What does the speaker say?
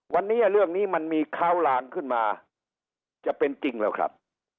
วันนี้เรื่องนี้มันมีข้าวลางขึ้นมาจะเป็นจริงแล้วครับ